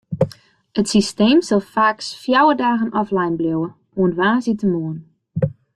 It systeem sil faaks fjouwer dagen offline bliuwe, oant woansdeitemoarn.